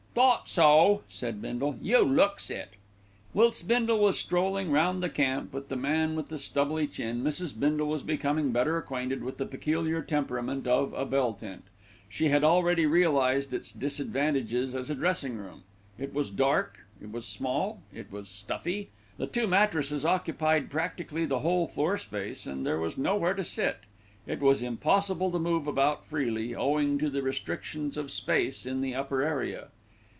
"Thought so," said Bindle. "You looks it." Whilst Bindle was strolling round the camp with the man with the stubbly chin, Mrs. Bindle was becoming better acquainted with the peculiar temperament of a bell tent. She had already realised its disadvantages as a dressing room. It was dark, it was small, it was stuffy. The two mattresses occupied practically the whole floor space and there was nowhere to sit. It was impossible to move about freely, owing to the restrictions of space in the upper area.